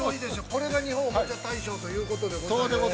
これが日本おもちゃ大賞ということでございます。